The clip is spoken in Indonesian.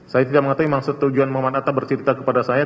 saya tidak mengetahui maksud tujuan muhammad atta bercerita kepada saya